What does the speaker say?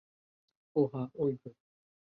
আহ, হ্যাঁ, ও ড্রুইগ।